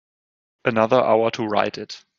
Another hour to write it.